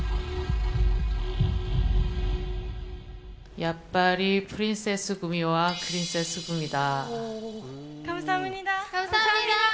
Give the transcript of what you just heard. やっぱりプリンセス組はプリンセス組だ。